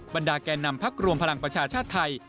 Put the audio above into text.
บรรดาแก่นำพักรวมพลังประชาชาติไทย